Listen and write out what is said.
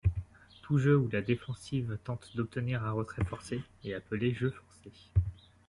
Tout jeu où la défensive tente d’obtenir un retrait forcé est appelé jeu forcé.